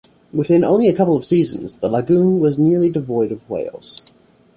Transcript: Within only a couple of seasons, the lagoon was nearly devoid of whales.